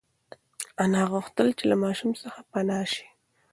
انا غوښتل چې له ماشوم څخه پنا شي.